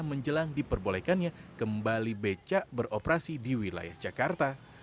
menjelang diperbolehkannya kembali becak beroperasi di wilayah jakarta